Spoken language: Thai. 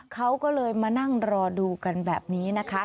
เขาก็เลยมานั่งรอดูกันแบบนี้นะคะ